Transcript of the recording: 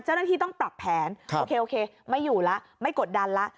เจ้าหน้าที่ต้องปรับแผนโอเคไม่อยู่แล้วไม่กดดันแล้ว